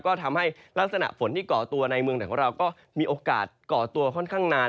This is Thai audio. ก็ทำให้ลักษณะฝนที่ก่อตัวในเมืองไหนของเราก็มีโอกาสก่อตัวค่อนข้างนาน